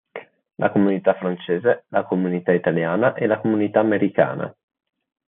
La comunità francese, la comunità italiana e la comunità americana.